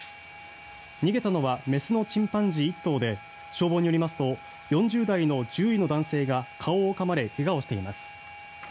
逃げたのは雌のチンパンジー１頭で消防によりますと４０代の獣医の男性が顔をかまれ怪我をしています。